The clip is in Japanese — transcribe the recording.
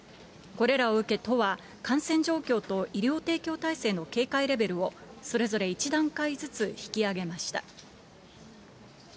これらを受け都は、感染状況と医療提供体制の警戒レベルを、それぞれ１段階ずつ引き上げました。